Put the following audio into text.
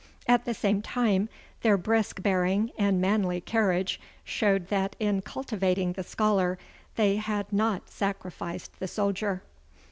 At the same time, their brisk bearing and manly carriage showed that in cultivating the scholar they hail not sacrificed the soldier.